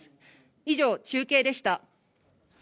以上、中継でした。